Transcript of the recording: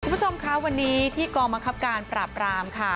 คุณผู้ชมคะวันนี้ที่กองบังคับการปราบรามค่ะ